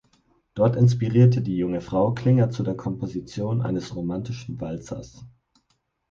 Dort inspiriert die junge Frau Klinger zu der Komposition eines romantischen Walzers.